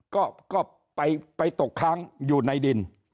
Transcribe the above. ก็ไปตกค้างอยู่ในดิน